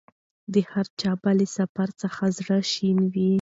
د هرچا به له سفر څخه زړه شین وو